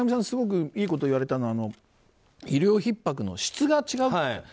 すごくいいことを言われたのは医療ひっ迫の質が違うと。